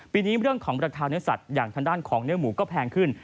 ปีนี้เรื่องของราคาเนื้อสัตว์อย่างทางด้านของเนื้อหมูก็แพงขึ้น